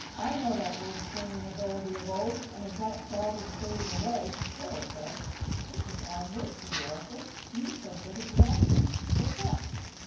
I know that word slinging ability of old" and as that crowd was fading away, Priscilla said: "This is odd work for you, Arthur; you so good a draughtsman. What's up?"